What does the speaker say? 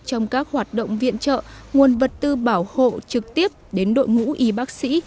trong các hoạt động viện trợ nguồn vật tư bảo hộ trực tiếp đến đội ngũ y bác sĩ